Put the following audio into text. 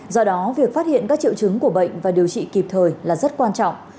do đó việc phát hiện các triệu chứng của bệnh và điều trị kịp thời là rất quan trọng